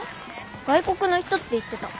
外国の人って言ってた。